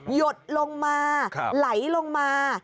หดลงมาไหลลงมา